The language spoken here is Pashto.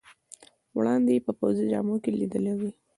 وړاندې یې په پوځي جامو کې لیدلی وې.